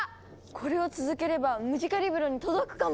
これを続ければムジカリブロに届くかも！